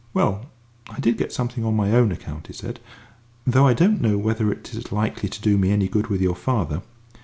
"Well, I did get something on my own account," he said, "though I don't know whether it is likely to do me any good with your father."